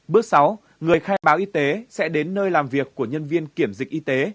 bước sáu người khai báo y tế sẽ đến nơi làm việc của nhân viên kiểm dịch y tế